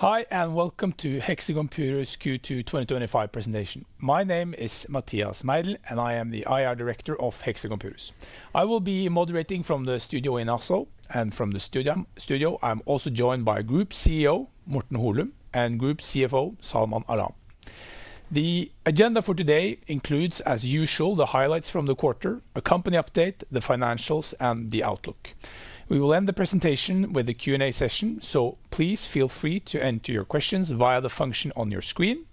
Hi, and welcome to Hexagon Purus Q2 2025 presentation. My name is Mathias Meidell, and I am the IR Director of Hexagon Purus. I will be moderating from the studio in Oslo, and from the studio, I'm also joined by Group CEO Morten Holum and Group CFO Salman Alam. The agenda for today includes, as usual, the highlights from the quarter, a company update, the financials, and the outlook. We will end the presentation with a Q&A session, so please feel free to enter your questions via the function on your screen.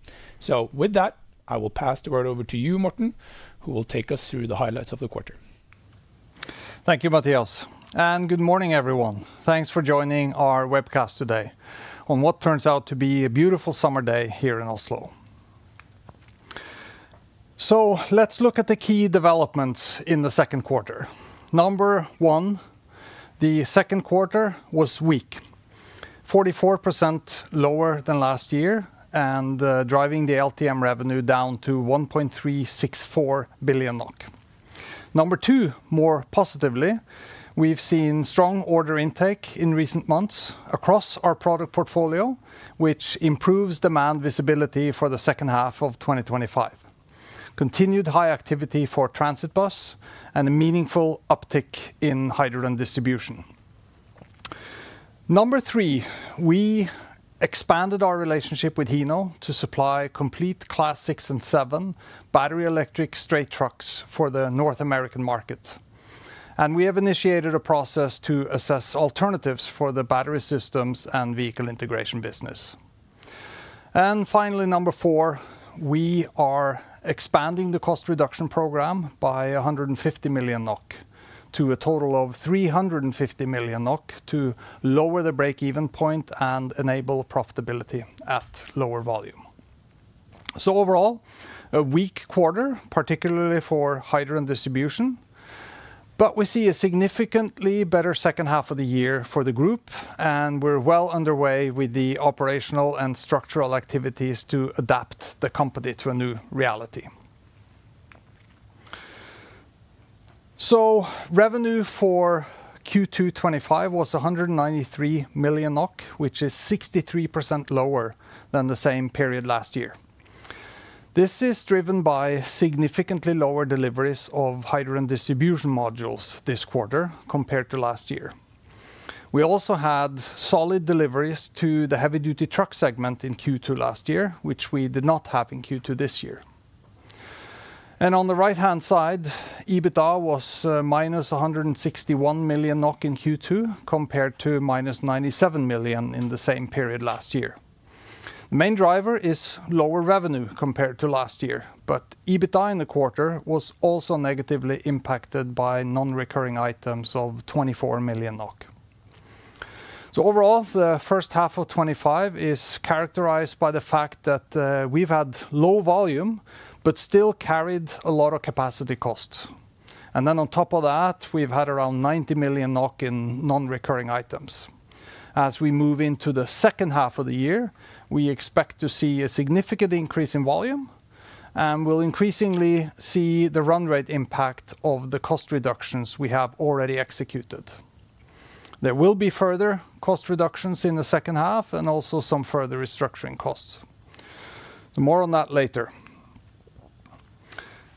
With that, I will pass the word over to you, Morten, who will take us through the highlights of the quarter. Thank you, Mathias, and good morning, everyone. Thanks for joining our webcast today on what turns out to be a beautiful summer day here in Oslo. Let's look at the key developments in the second quarter. Number one, the second quarter was weak, 44% lower than last year, and driving the LTM revenue down to 1.364 billion NOK. Number two, more positively, we've seen strong order intake in recent months across our product portfolio, which improves demand visibility for the second half of 2025. Continued high activity for transit bus and a meaningful uptick in hydrogen distribution. Number three, we expanded our relationship with Hino to supply complete Class 6 and 7 battery electric straight trucks for the North American market. We have initiated a process to assess alternatives for the Battery Systems and Vehicle Integration business. Finally, number four, we are expanding the cost reduction program by 150 million NOK to a total of 350 million NOK to lower the breakeven point and enable profitability at lower volume. Overall, a weak quarter, particularly for hydrogen distribution, but we see a significantly better second half of the year for the group, and we're well underway with the operational and structural activities to adapt the company to a new reality. Revenue for Q2 2025 was 193 million NOK, which is 63% lower than the same period last year. This is driven by significantly lower deliveries of hydrogen distribution modules this quarter compared to last year. We also had solid deliveries to the heavy-duty truck segment in Q2 last year, which we did not have in Q2 this year. On the right-hand side, EBITDA was minus 161 million NOK in Q2 compared to minus 97 million in the same period last year. The main driver is lower revenue compared to last year, but EBITDA in the quarter was also negatively impacted by non-recurring items of 24 million NOK. Overall, the first half of 2025 is characterized by the fact that we've had low volume, but still carried a lot of capacity costs. On top of that, we've had around 90 million in non-recurring items. As we move into the second half of the year, we expect to see a significant increase in volume, and we'll increasingly see the run rate impact of the cost reductions we have already executed. There will be further cost reductions in the second half and also some further restructuring costs. More on that later.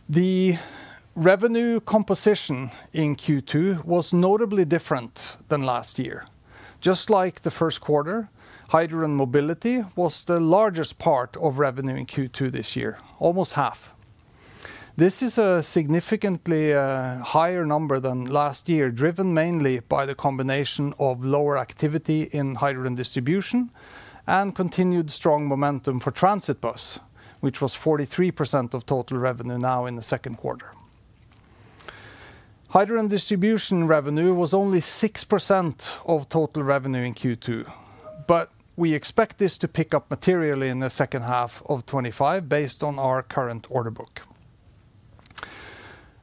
The revenue composition in Q2 was notably different than last year. Just like the first quarter, Hydrogen Mobility was the largest part of revenue in Q2 this year, almost half. This is a significantly higher number than last year, driven mainly by the combination of lower activity in hydrogen distribution and continued strong momentum for transit bus, which was 43% of total revenue now in the second quarter. Hydrogen distribution revenue was only 6% of total revenue in Q2, but we expect this to pick up materially in the second half of 2025 based on our current order book.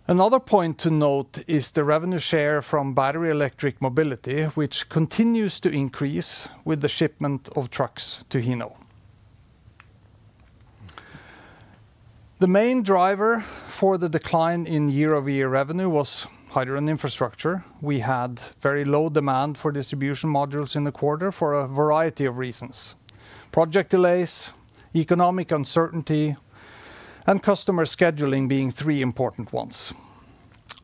Another point to note is the revenue share from battery electric mobility, which continues to increase with the shipment of trucks to Hino. The main driver for the decline in year-over-year revenue was hydrogen infrastructure. We had very low demand for distribution modules in the quarter for a variety of reasons: project delays, economic uncertainty, and customer scheduling being three important ones.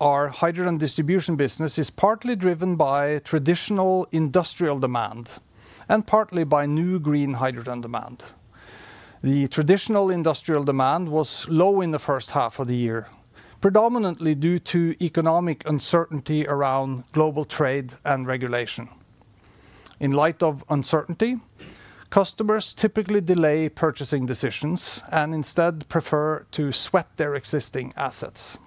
Our hydrogen distribution business is partly driven by traditional industrial demand and partly by new green hydrogen demand. The traditional industrial demand was low in the first half of the year, predominantly due to economic uncertainty around global trade and regulation. In light of uncertainty, customers typically delay purchasing decisions and instead prefer to sweat their existing assets,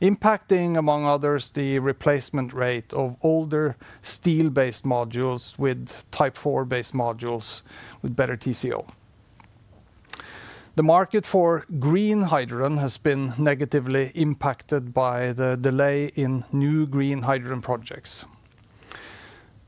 impacting, among others, the replacement rate of older steel-based modules with Type 4 base modules with better TCO. The market for green hydrogen has been negatively impacted by the delay in new green hydrogen projects.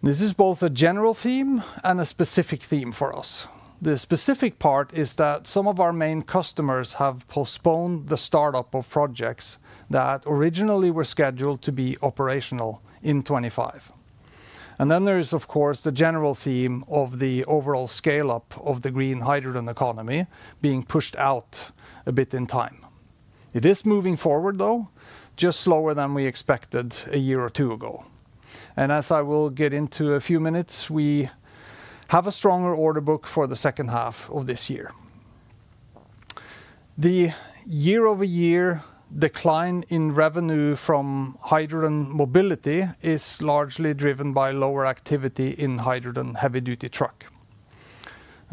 This is both a general theme and a specific theme for us. The specific part is that some of our main customers have postponed the startup of projects that originally were scheduled to be operational in 2025. There is, of course, the general theme of the overall scale-up of the green hydrogen economy being pushed out a bit in time. It is moving forward, though, just slower than we expected a year or two ago. As I will get into in a few minutes, we have a stronger order book for the second half of this year. The year-over-year decline in revenue from Hydrogen Mobility is largely driven by lower activity in hydrogen heavy-duty truck.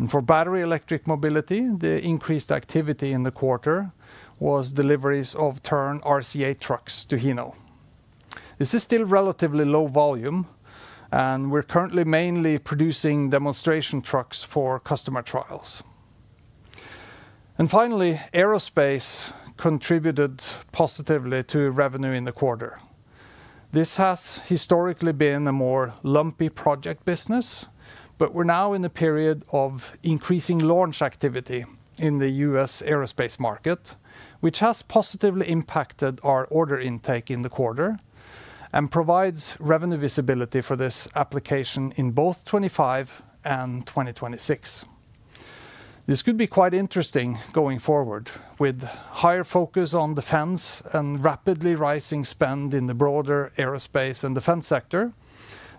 For battery electric mobility, the increased activity in the quarter was deliveries of Tern RC8 trucks to Hino. This is still relatively low volume, and we're currently mainly producing demonstration trucks for customer trials. Finally, aerospace contributed positively to revenue in the quarter. This has historically been a more lumpy project business, but we're now in a period of increasing launch activity in the U.S. aerospace market, which has positively impacted our order intake in the quarter and provides revenue visibility for this application in both 2025 and 2026. This could be quite interesting going forward with higher focus on defense and rapidly rising spend in the broader aerospace and defense sector.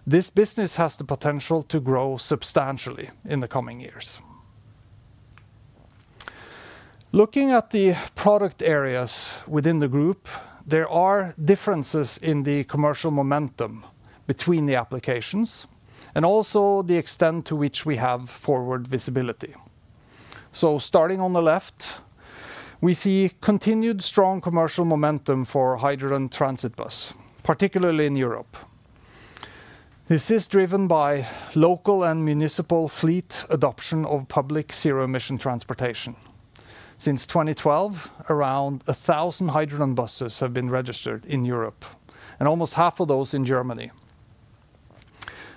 This business has the potential to grow substantially in the coming years. Looking at the product areas within the group, there are differences in the commercial momentum between the applications and also the extent to which we have forward visibility. Starting on the left, we see continued strong commercial momentum for hydrogen transit bus, particularly in Europe. This is driven by local and municipal fleet adoption of public zero-emission transportation. Since 2012, around 1,000 hydrogen buses have been registered in Europe, and almost half of those in Germany.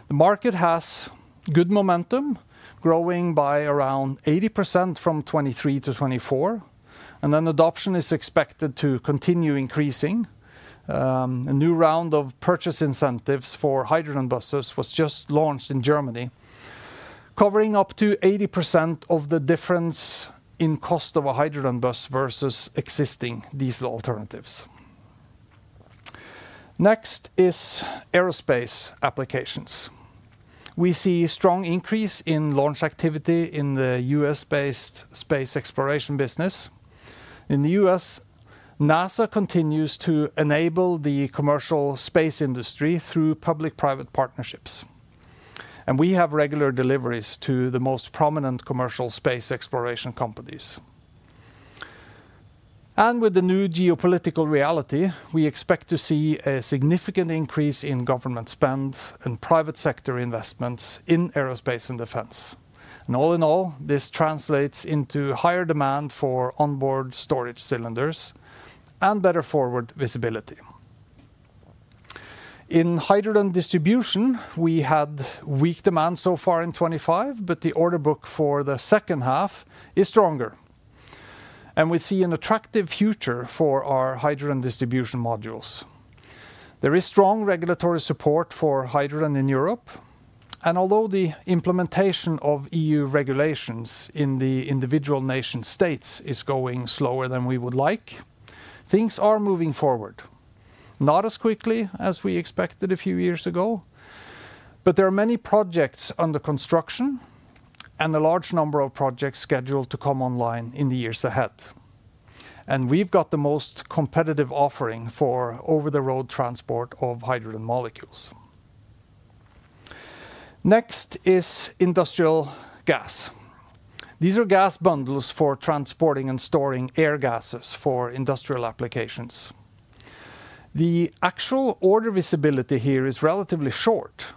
The market has good momentum, growing by around 80% from 2023 to 2024, and then adoption is expected to continue increasing. A new round of purchase incentives for hydrogen buses was just launched in Germany, covering up to 80% of the difference in cost of a hydrogen bus versus existing diesel alternatives. Next is aerospace applications. We see a strong increase in launch activity in the U.S.-based space exploration business. In the U.S., NASA continues to enable the commercial space industry through public-private partnerships, and we have regular deliveries to the most prominent commercial space exploration companies. With the new geopolitical reality, we expect to see a significant increase in government spend and private sector investments in aerospace and defense. All in all, this translates into higher demand for onboard storage cylinders and better forward visibility. In hydrogen distribution, we had weak demand so far in 2025, but the order book for the second half is stronger, and we see an attractive future for our hydrogen distribution modules. There is strong regulatory support for hydrogen in Europe, and although the implementation of EU regulations in the individual nation states is going slower than we would like, things are moving forward. Not as quickly as we expected a few years ago, but there are many projects under construction and a large number of projects scheduled to come online in the years ahead. We have the most competitive offering for over-the-road transport of hydrogen molecules. Next is industrial gas. These are gas bundles for transporting and storing air gases for industrial applications. The actual order visibility here is relatively short,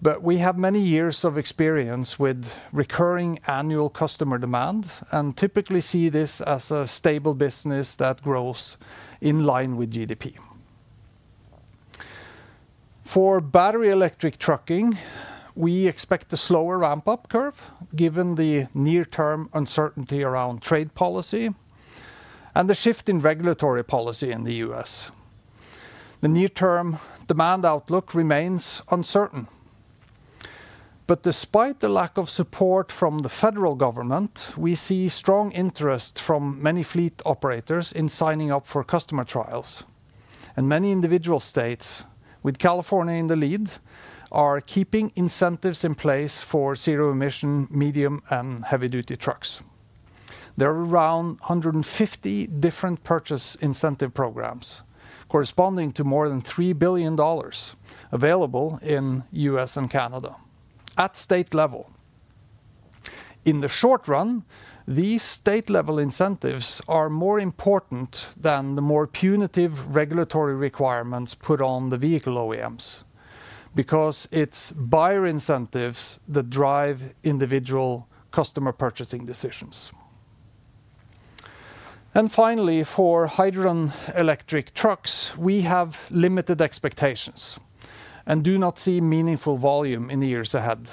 but we have many years of experience with recurring annual customer demand and typically see this as a stable business that grows in line with GDP. For battery electric trucking, we expect a slower ramp-up curve given the near-term uncertainty around trade policy and the shift in regulatory policy in the U.S. The near-term demand outlook remains uncertain. Despite the lack of support from the federal government, we see strong interest from many fleet operators in signing up for customer trials. Many individual states, with California in the lead, are keeping incentives in place for zero-emission medium and heavy-duty trucks. There are around 150 different purchase incentive programs corresponding to more than $3 billion available in the U.S. and Canada at state level. In the short run, these state-level incentives are more important than the more punitive regulatory requirements put on the vehicle OEMs because it's buyer incentives that drive individual customer purchasing decisions. Finally, for hydrogen electric trucks, we have limited expectations and do not see meaningful volume in the years ahead.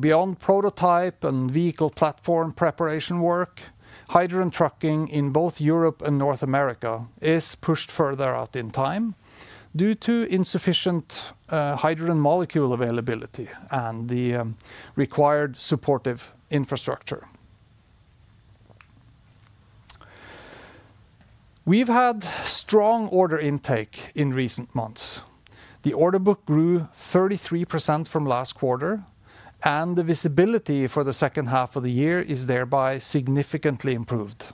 Beyond prototype and vehicle platform preparation work, hydrogen trucking in both Europe and North America is pushed further out in time due to insufficient hydrogen molecule availability and the required supportive infrastructure. We've had strong order intake in recent months. The order book grew 33% from last quarter, and the visibility for the second half of the year is thereby significantly improved.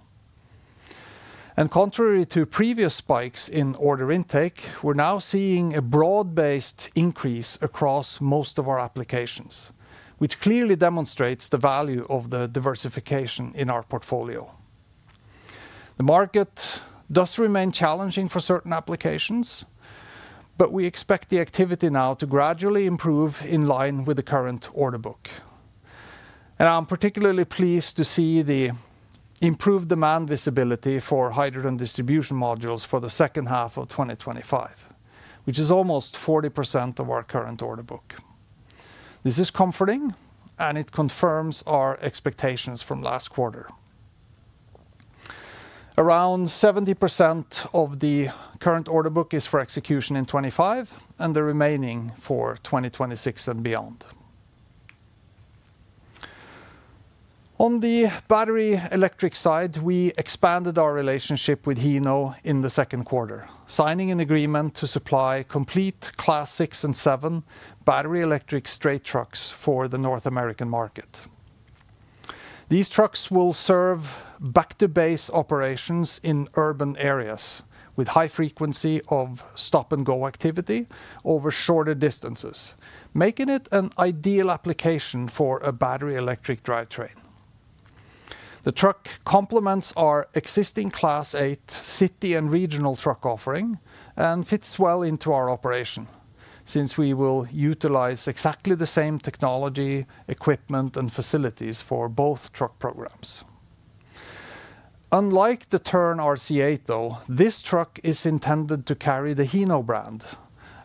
Contrary to previous spikes in order intake, we're now seeing a broad-based increase across most of our applications, which clearly demonstrates the value of the diversification in our portfolio. The market does remain challenging for certain applications, but we expect the activity now to gradually improve in line with the current order book. I'm particularly pleased to see the improved demand visibility for hydrogen distribution modules for the second half of 2025, which is almost 40% of our current order book. This is comforting, and it confirms our expectations from last quarter. Around 70% of the current order book is for execution in 2025, and the remaining for 2026 and beyond. On the battery electric side, we expanded our relationship with Hino in the second quarter, signing an agreement to supply complete Class 6 and 7 battery electric straight trucks for the North American market. These trucks will serve back-to-base operations in urban areas with high frequency of stop-and-go activity over shorter distances, making it an ideal application for a battery electric drivetrain. The truck complements our existing Class 8 city and regional truck offering and fits well into our operation since we will utilize exactly the same technology, equipment, and facilities for both truck programs. Unlike the Tern RC8, though, this truck is intended to carry the Hino brand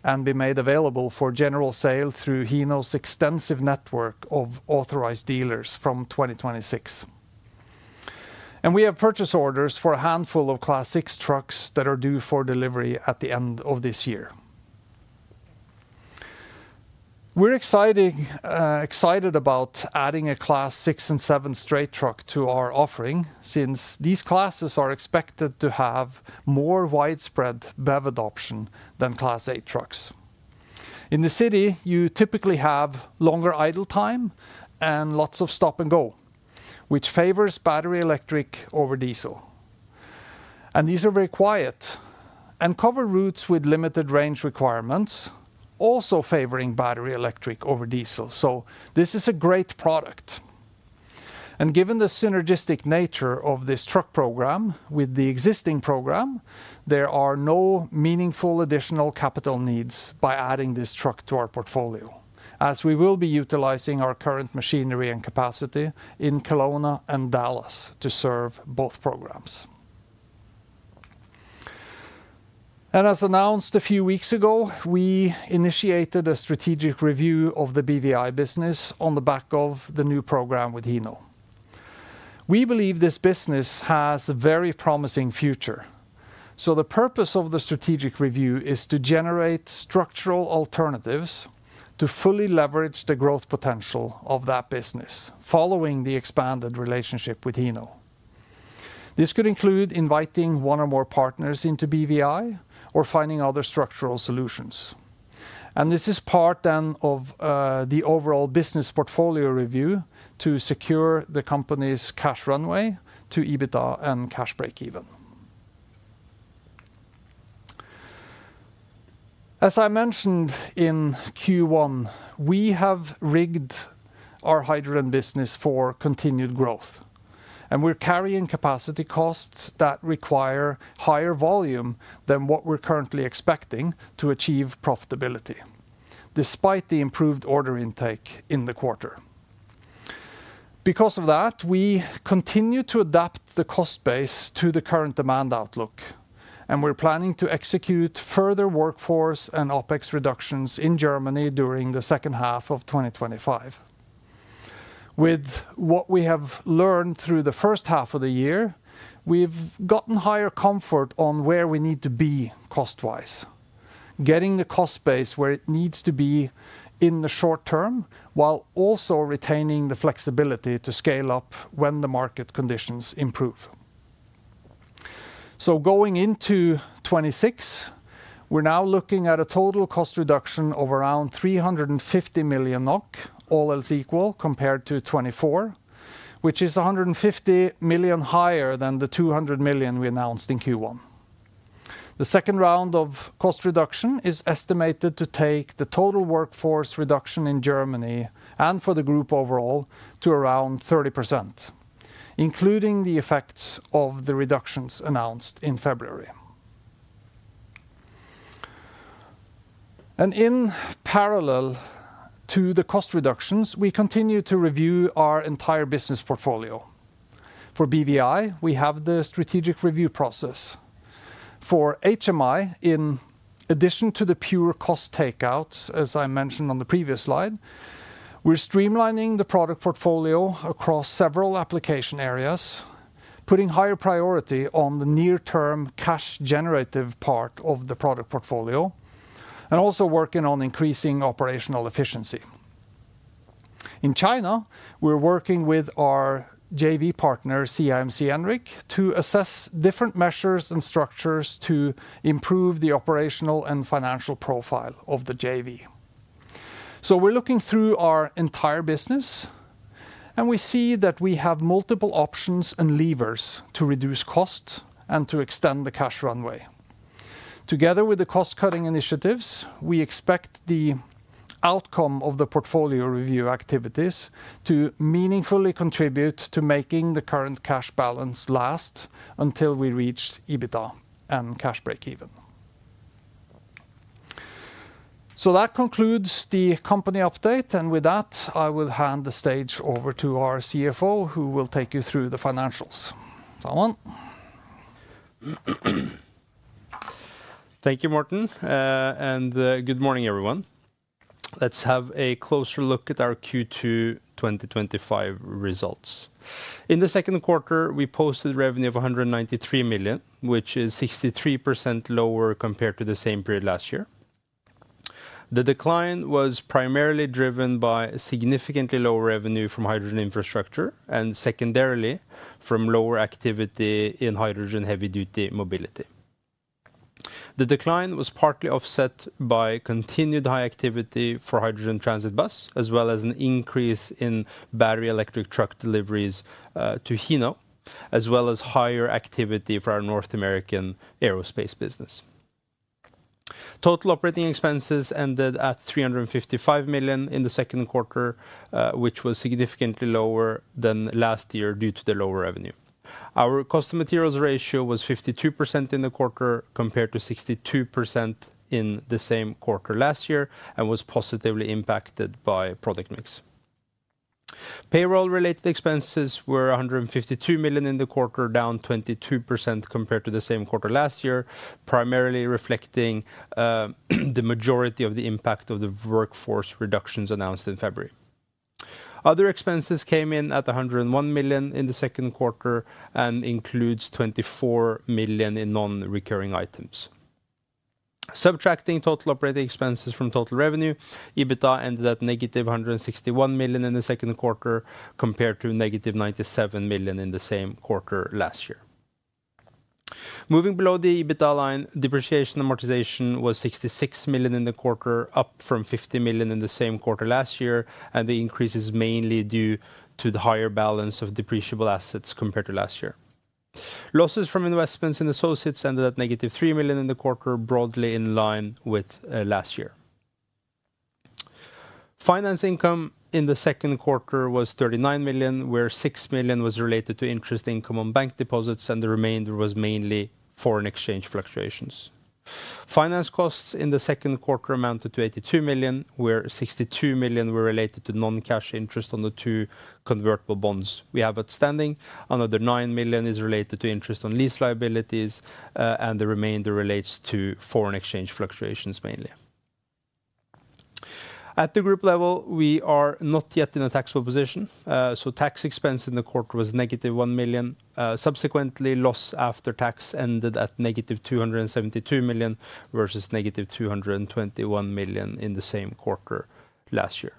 and be made available for general sale through Hino's extensive network of authorized dealers from 2026. We have purchase orders for a handful of Class 6 trucks that are due for delivery at the end of this year. We're excited about adding a Class 6 and 7 straight truck to our offering since these classes are expected to have more widespread BEV adoption than Class 8 trucks. In the city, you typically have longer idle time and lots of stop-and-go, which favors battery electric over diesel. These are very quiet and cover routes with limited range requirements, also favoring battery electric over diesel. This is a great product. Given the synergistic nature of this truck program with the existing program, there are no meaningful additional capital needs by adding this truck to our portfolio, as we will be utilizing our current machinery and capacity in Kelowna and Dallas to serve both programs. As announced a few weeks ago, we initiated a strategic review of the BVI business on the back of the new program with Hino. We believe this business has a very promising future. The purpose of the strategic review is to generate structural alternatives to fully leverage the growth potential of that business following the expanded relationship with Hino. This could include inviting one or more partners into BVI or finding other structural solutions. This is part of the overall business portfolio review to secure the company's cash runway to EBITDA and cash flow breakeven. As I mentioned in Q1, we have rigged our hydrogen business for continued growth, and we're carrying capacity costs that require higher volume than what we're currently expecting to achieve profitability, despite the improved order intake in the quarter. Because of that, we continue to adapt the cost base to the current demand outlook, and we're planning to execute further workforce and OpEx reductions in Germany during the second half of 2025. With what we have learned through the first half of the year, we've gotten higher comfort on where we need to be cost-wise, getting the cost base where it needs to be in the short term while also retaining the flexibility to scale up when the market conditions improve. Going into 2026, we're now looking at a total cost reduction of around 350 million NOK, all else equal, compared to 2024, which is 150 million higher than the 200 million we announced in Q1. The second round of cost reduction is estimated to take the total workforce reduction in Germany and for the group overall to around 30%, including the effects of the reductions announced in February. In parallel to the cost reductions, we continue to review our entire business portfolio. For BVI, we have the strategic review process. For HMI, in addition to the pure cost takeouts, as I mentioned on the previous slide, we're streamlining the product portfolio across several application areas, putting higher priority on the near-term cash generative part of the product portfolio, and also working on increasing operational efficiency. In China, we're working with our JV partner, CIMC Enric, to assess different measures and structures to improve the operational and financial profile of the JV. We're looking through our entire business, and we see that we have multiple options and levers to reduce costs and to extend the cash runway. Together with the cost-cutting initiatives, we expect the outcome of the portfolio review activities to meaningfully contribute to making the current cash balance last until we reach EBITDA and cash flow breakeven. That concludes the company update, and with that, I will hand the stage over to our CFO, who will take you through the financials. Salman? Thank you, Morten, and good morning, everyone. Let's have a closer look at our Q2 2025 results. In the second quarter, we posted a revenue of 193 million, which is 63% lower compared to the same period last year. The decline was primarily driven by a significantly lower revenue from hydrogen infrastructure and secondarily from lower activity in hydrogen heavy-duty mobility. The decline was partly offset by continued high activity for hydrogen transit bus, as well as an increase in battery electric truck deliveries to Hino, as well as higher activity for our North American aerospace business. Total operating expenses ended at 355 million in the second quarter, which was significantly lower than last year due to the lower revenue. Our cost of materials ratio was 52% in the quarter compared to 62% in the same quarter last year and was positively impacted by product mix. Payroll-related expenses were 152 million in the quarter, down 22% compared to the same quarter last year, primarily reflecting the majority of the impact of the workforce reductions announced in February. Other expenses came in at 101 million in the second quarter and include 24 million in non-recurring items. Subtracting total operating expenses from total revenue, EBITDA ended at -161 million in the second quarter compared to -97 million in the same quarter last year. Moving below the EBITDA line, depreciation amortization was 66 million in the quarter, up from 50 million in the same quarter last year, and the increase is mainly due to the higher balance of depreciable assets compared to last year. Losses from investments and associates ended at -3 million in the quarter, broadly in line with last year. Finance income in the second quarter was 39 million, where 6 million was related to interest income on bank deposits, and the remainder was mainly foreign exchange fluctuations. Finance costs in the second quarter amounted to 82 million, where 62 million were related to non-cash interest on the two convertible bonds we have outstanding. Another 9 million is related to interest on lease liabilities, and the remainder relates to foreign exchange fluctuations mainly. At the group level, we are not yet in a taxable position, so tax expense in the quarter was -1 million. Subsequently, loss after tax ended at -272 million versus -221 million in the same quarter last year.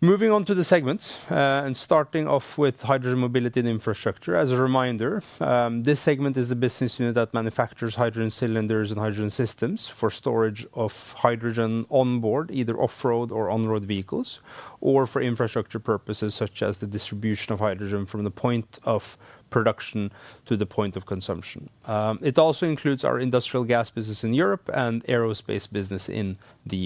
Moving on to the segments and starting off with Hydrogen Mobility and infrastructure, as a reminder, this segment is the business unit that manufactures hydrogen cylinders and hydrogen systems for storage of hydrogen onboard, either off-road or on-road vehicles, or for infrastructure purposes such as the distribution of hydrogen from the point of production to the point of consumption. It also includes our industrial gas business in Europe and aerospace business in the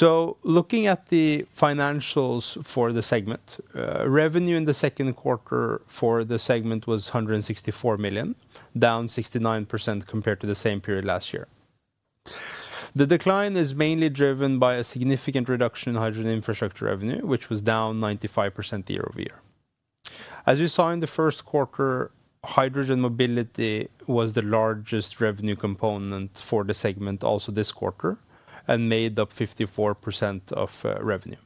U.S. Looking at the financials for the segment, revenue in the second quarter for the segment was 164 million, down 69% compared to the same period last year. The decline is mainly driven by a significant reduction in hydrogen infrastructure revenue, which was down 95% year over year. As we saw in the first quarter, Hydrogen Mobility was the largest revenue component for the segment also this quarter and made up 54% of revenue.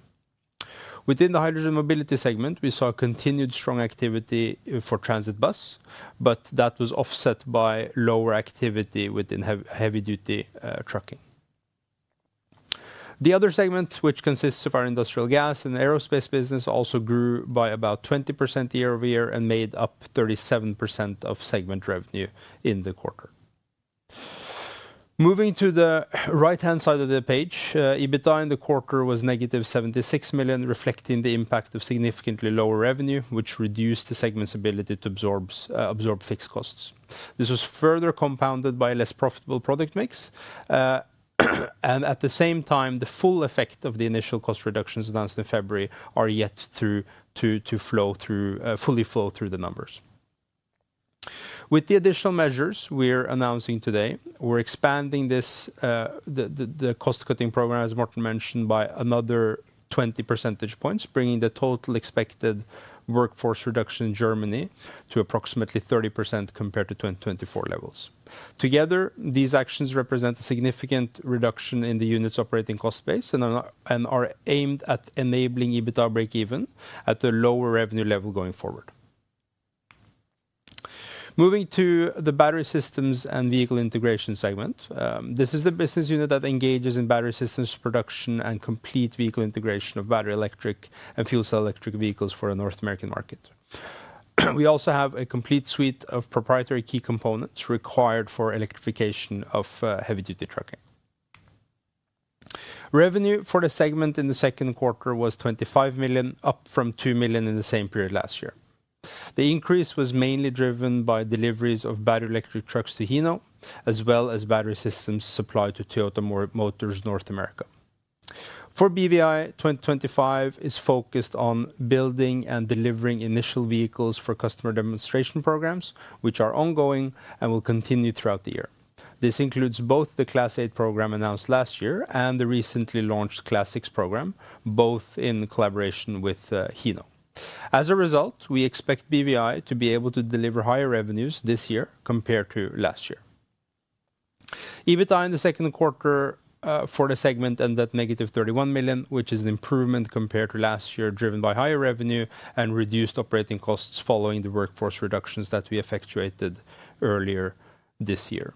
Within the Hydrogen Mobility segment, we saw continued strong activity for hydrogen transit bus, but that was offset by lower activity within hydrogen heavy-duty mobility. The other segment, which consists of our industrial gas and aerospace business, also grew by about 20% year over year and made up 37% of segment revenue in the quarter. Moving to the right-hand side of the page, EBITDA in the quarter was -76 million, reflecting the impact of significantly lower revenue, which reduced the segment's ability to absorb fixed costs. This was further compounded by a less profitable product mix, and at the same time, the full effect of the initial cost reductions announced in February are yet to fully flow through the numbers. With the additional measures we're announcing today, we're expanding the cost-cutting program, as Morten mentioned, by another 20%, bringing the total expected workforce reduction in Germany to approximately 30% compared to 2024 levels. Together, these actions represent a significant reduction in the unit's operating cost base and are aimed at enabling EBITDA breakeven at a lower revenue level going forward. Moving to the Battery Systems and Vehicle Integration segment, this is the business unit that engages in battery systems production and complete vehicle integration of battery electric and fuel cell electric vehicles for our North American market. We also have a complete suite of proprietary key components required for electrification of heavy-duty trucking. Revenue for the segment in the second quarter was 25 million, up from 2 million in the same period last year. The increase was mainly driven by deliveries of battery electric trucks to Hino, as well as battery systems supplied to Toyota Motors North America. For BVI, 2025 is focused on building and delivering initial vehicles for customer demonstration programs, which are ongoing and will continue throughout the year. This includes both the Class 8 program announced last year and the recently launched Class 6 program, both in collaboration with Hino. As a result, we expect BVI to be able to deliver higher revenues this year compared to last year. EBITDA in the second quarter for the segment ended at -31 million, which is an improvement compared to last year, driven by higher revenue and reduced operating costs following the workforce reductions that we effectuated earlier this year.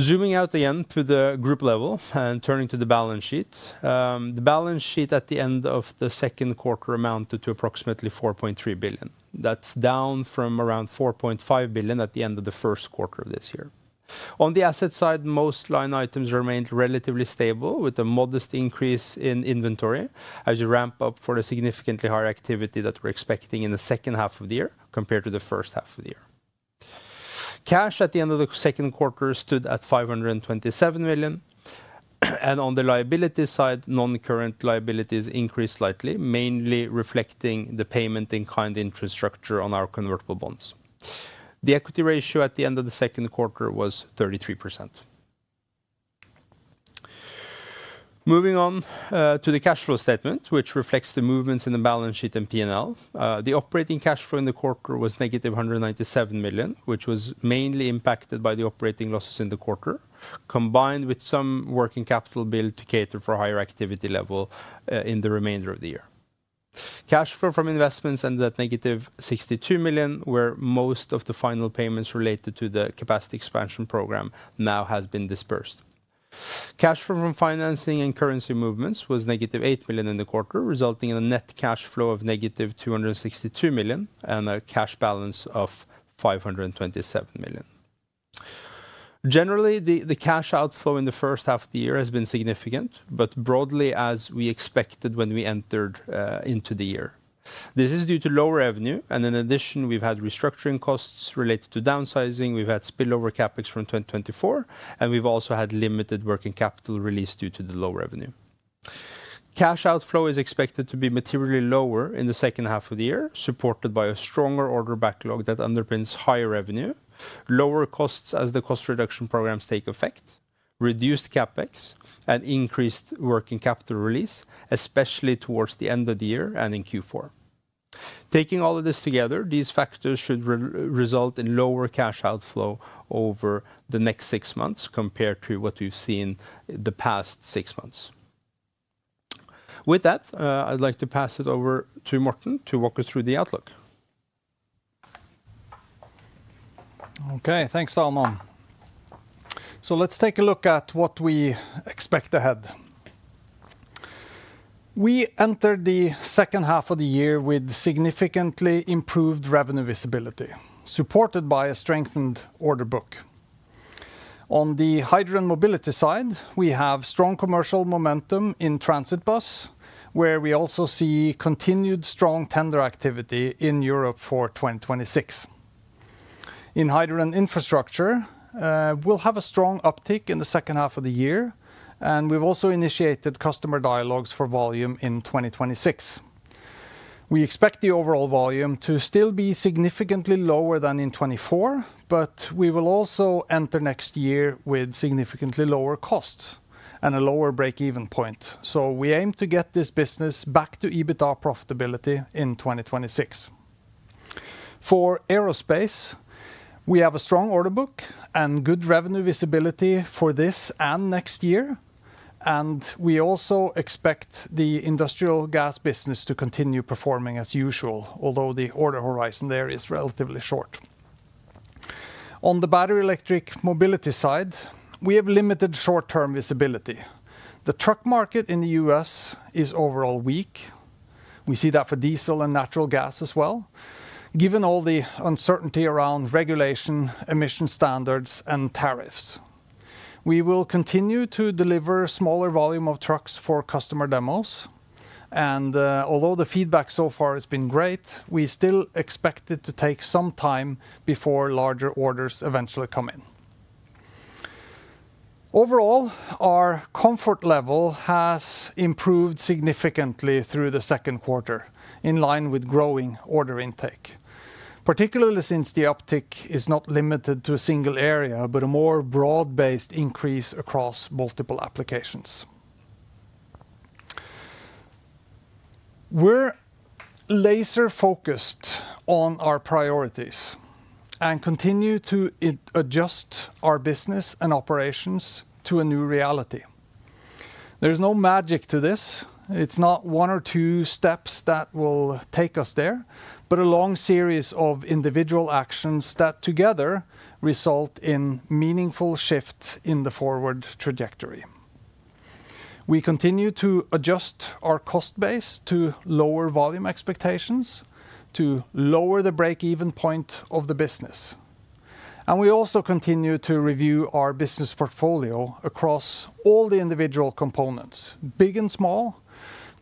Zooming out again to the group level and turning to the balance sheet, the balance sheet at the end of the second quarter amounted to approximately 4.3 billion. That's down from around 4.5 billion at the end of the first quarter of this year. On the asset side, most line items remained relatively stable with a modest increase in inventory as you ramp up for the significantly higher activity that we're expecting in the second half of the year compared to the first half of the year. Cash at the end of the second quarter stood at 527 million, and on the liability side, non-current liabilities increased slightly, mainly reflecting the payment in kind interest structure on our convertible bonds. The equity ratio at the end of the second quarter was 33%. Moving on to the cash flow statement, which reflects the movements in the balance sheet and P&L, the operating cash flow in the quarter was -197 million, which was mainly impacted by the operating losses in the quarter, combined with some working capital billed to cater for a higher activity level in the remainder of the year. Cash flow from investments ended at -62 million, where most of the final payments related to the capacity expansion program now have been dispersed. Cash flow from financing and currency movements was -8 million in the quarter, resulting in a net cash flow of -262 million and a cash balance of 527 million. Generally, the cash outflow in the first half of the year has been significant, but broadly as we expected when we entered into the year. This is due to lower revenue, and in addition, we've had restructuring costs related to downsizing, we've had spillover CapEx from 2024, and we've also had limited working capital released due to the low revenue. Cash outflow is expected to be materially lower in the second half of the year, supported by a stronger order backlog that underpins higher revenue, lower costs as the cost reduction programs take effect, reduced CapEx, and increased working capital release, especially towards the end of the year and in Q4. Taking all of this together, these factors should result in lower cash outflow over the next six months compared to what we've seen the past six months. With that, I'd like to pass it over to Morten to walk us through the outlook. Okay, thanks Salman. Let's take a look at what we expect ahead. We entered the second half of the year with significantly improved revenue visibility, supported by a strengthened order book. On the Hydrogen Mobility side, we have strong commercial momentum in hydrogen transit bus, where we also see continued strong tender activity in Europe for 2026. In hydrogen infrastructure, we'll have a strong uptick in the second half of the year, and we've also initiated customer dialogues for volume in 2026. We expect the overall volume to still be significantly lower than in 2024, but we will also enter next year with significantly lower costs and a lower breakeven point. We aim to get this business back to EBITDA profitability in 2026. For aerospace, we have a strong order book and good revenue visibility for this and next year, and we also expect the industrial gas business to continue performing as usual, although the order horizon there is relatively short. On the battery electric mobility side, we have limited short-term visibility. The truck market in the U.S. is overall weak. We see that for diesel and natural gas as well, given all the uncertainty around regulation, emission standards, and tariffs. We will continue to deliver a smaller volume of trucks for customer demos, and although the feedback so far has been great, we still expect it to take some time before larger orders eventually come in. Overall, our comfort level has improved significantly through the second quarter, in line with growing order intake, particularly since the uptick is not limited to a single area, but a more broad-based increase across multiple applications. We're laser-focused on our priorities and continue to adjust our business and operations to a new reality. There is no magic to this. It's not one or two steps that will take us there, but a long series of individual actions that together result in meaningful shifts in the forward trajectory. We continue to adjust our cost base to lower volume expectations, to lower the breakeven point of the business, and we also continue to review our business portfolio across all the individual components, big and small,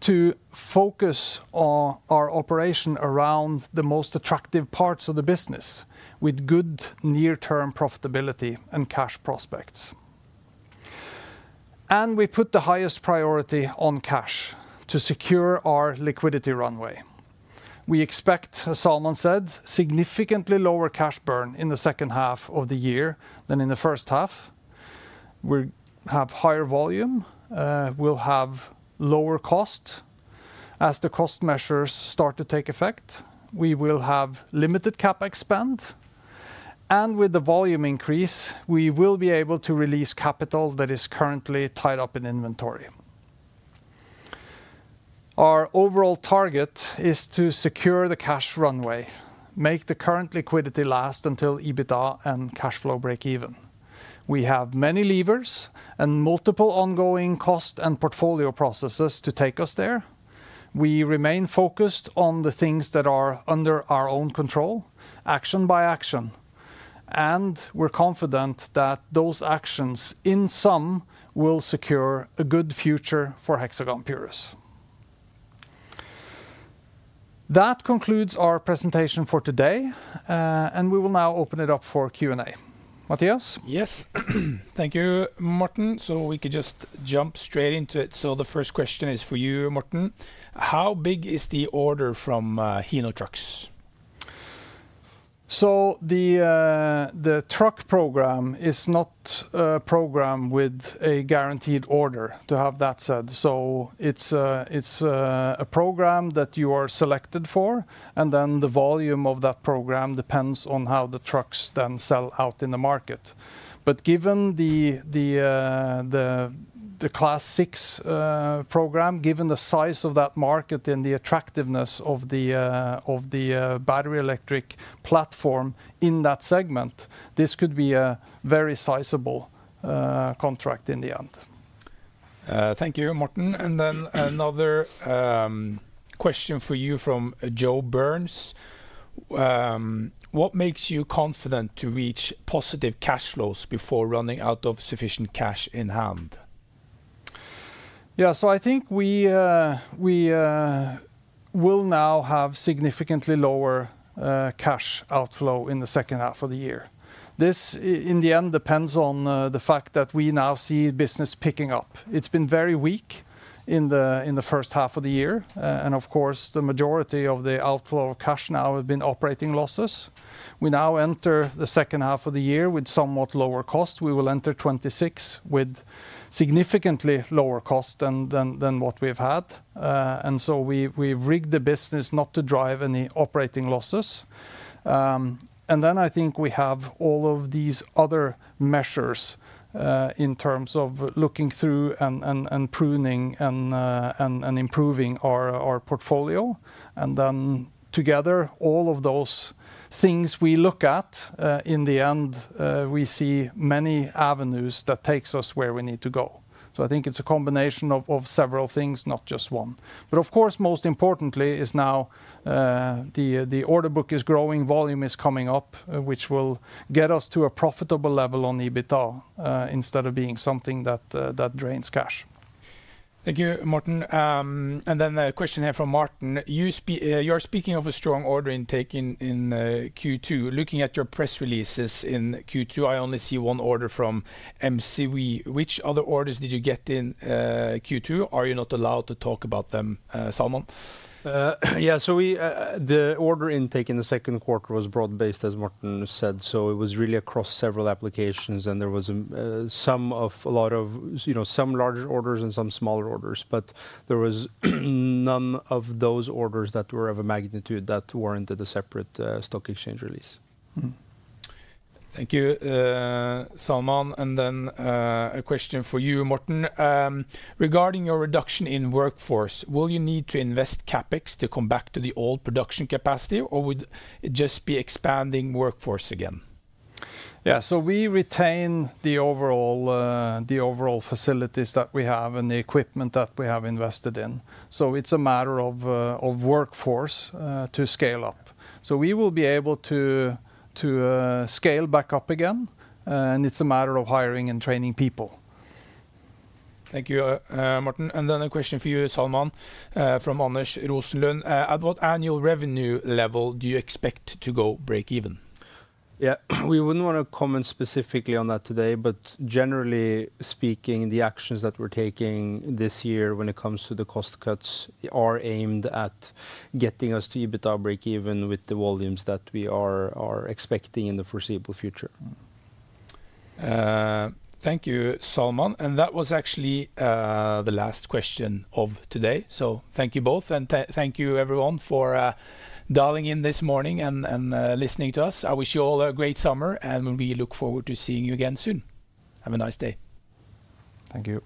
to focus our operation around the most attractive parts of the business with good near-term profitability and cash prospects. We put the highest priority on cash to secure our liquidity runway. We expect, as Salman said, significantly lower cash burn in the second half of the year than in the first half. We'll have higher volume. We'll have lower cost. As the cost measures start to take effect, we will have limited CapEx spend, and with the volume increase, we will be able to release capital that is currently tied up in inventory. Our overall target is to secure the cash runway, make the current liquidity last until EBITDA and cash flow breakeven. We have many levers and multiple ongoing cost and portfolio processes to take us there. We remain focused on the things that are under our own control, action by action, and we're confident that those actions, in sum, will secure a good future for Hexagon Purus. That concludes our presentation for today, and we will now open it up for Q&A. Mathias? Yes, thank you, Morten. We could just jump straight into it. The first question is for you, Morten. How big is the order from Hino trucks? The truck program is not a program with a guaranteed order, to have that said. It's a program that you are selected for, and then the volume of that program depends on how the trucks then sell out in the market. Given the Class 6 program, given the size of that market and the attractiveness of the battery electric platform in that segment, this could be a very sizable contract in the end. Thank you, Morten. Another question for you from Joe Burns. What makes you confident to reach positive cash flows before running out of sufficient cash in hand? Yeah, I think we will now have significantly lower cash outflow in the second half of the year. This, in the end, depends on the fact that we now see business picking up. It's been very weak in the first half of the year, and of course, the majority of the outflow of cash now has been operating losses. We now enter the second half of the year with somewhat lower costs. We will enter 2026 with significantly lower costs than what we've had. We've rigged the business not to drive any operating losses. I think we have all of these other measures in terms of looking through and pruning and improving our portfolio. Together, all of those things we look at, in the end, we see many avenues that take us where we need to go. I think it's a combination of several things, not just one. Most importantly, the order book is growing, volume is coming up, which will get us to a profitable level on EBITDA instead of being something that drains cash. Thank you, Morten. A question here from Martin. You're speaking of a strong order intake in Q2. Looking at your press releases in Q2, I only see one order from MCV. Which other orders did you get in Q2? Are you not allowed to talk about them, Salman? Yeah, the order intake in the second quarter was broad-based, as Morten said. It was really across several applications, and there were some large orders and some smaller orders. There were none of those orders that were of a magnitude that weren't at a separate stock exchange release. Thank you, Salman. A question for you, Morten. Regarding your reduction in workforce, will you need to invest CapEx to come back to the old production capacity, or would it just be expanding workforce again? Yeah, we retain the overall facilities that we have and the equipment that we have invested in. It's a matter of workforce to scale up. We will be able to scale back up again, and it's a matter of hiring and training people. Thank you, Morten. A question for you, Salman, from [Anish Rosenlund]. At what annual revenue level do you expect to go break even? We wouldn't want to comment specifically on that today, but generally speaking, the actions that we're taking this year when it comes to the cost cuts are aimed at getting us to EBITDA breakeven with the volumes that we are expecting in the foreseeable future. Thank you, Salman. That was actually the last question of today. Thank you both, and thank you everyone for dialing in this morning and listening to us. I wish you all a great summer, and we look forward to seeing you again soon. Have a nice day. Thank you.